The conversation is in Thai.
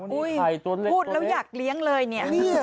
ปุ้ยพูดแล้วอยากเลี้ยงเลยเนี่ย